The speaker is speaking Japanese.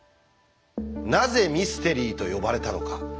なぜミステリーと呼ばれたのか？